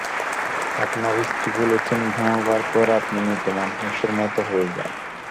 আপনার স্ত্রী বলেছেন, ঘুমুবার পর আপনি মৃত মানুষের মতো হয়ে যান।